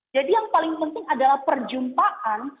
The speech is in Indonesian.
jadi yang paling penting adalah perjumpaan